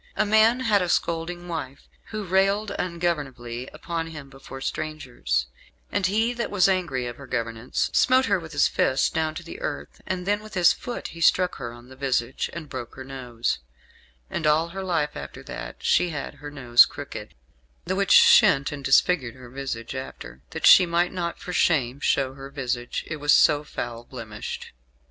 A man had a scolding wife, who railed ungovernably upon him before strangers, "and he that was angry of her governance smote her with his first down to the earth; and then with his foot he struck her on the visage, and broke her nose; and all her life after that she had her nose crooked, the which shent and disfigured her visage after, that she might not for shame show her visage, it was so foul blemished.